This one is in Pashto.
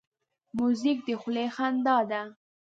موزیک د خولې خندا ده.